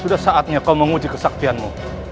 sudah saatnya kau menguji kesaktianmu